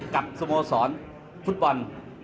กับสโมสรฟุตบอล